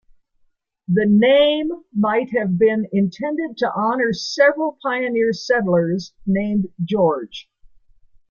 The name might have been intended to honor several pioneer settlers named George.